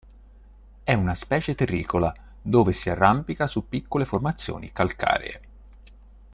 È una specie terricola dove si arrampica su piccole formazioni calcaree.